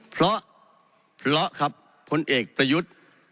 เพราะเพราะครับพลเอกประยุทธ์